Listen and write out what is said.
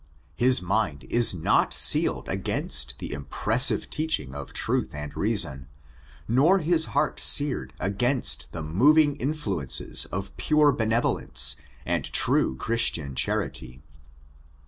His mind is not sealed against the impressive teaching of truth and reason, nor his heart seared against the moving influences of pure benevolence and true Christian charity.